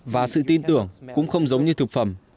và sự tin tưởng cũng không giống như thực phẩm